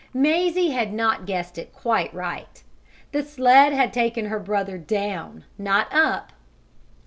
Mazie had not guessed it quite right. The sled had taken her brother down, not up.